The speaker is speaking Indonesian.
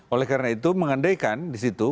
oleh karena itu mengandaikan di situ